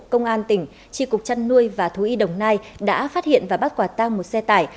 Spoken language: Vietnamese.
công an tỉnh tri cục chăn nuôi và thú y đồng nai đã phát hiện và bắt quả tang một xe tải